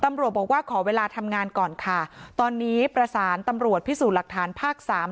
ตำรวจบอกว่าขอเวลาทำงานก่อนค่ะตอนนี้ประสานตำรวจพิสูจน์หลักฐานภาคสาม